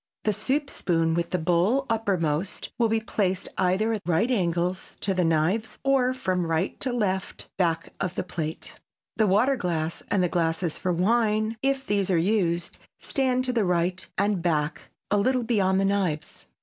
The soup spoon with the bowl uppermost will be placed either at right angles to the knives or from right to left back of the plate. The water glass and the glasses for wine, if these are used, stand to the right and back, a little beyond the knives.